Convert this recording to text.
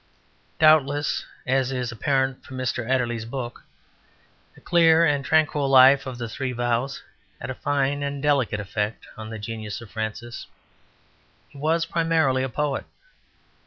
Doubtless, as is apparent from Mr Adderley's book, the clear and tranquil life of the Three Vows had a fine and delicate effect on the genius of Francis. He was primarily a poet.